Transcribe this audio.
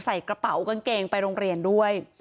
ใส่กระเป๋ากางเกงไปโรงเรียนด้วย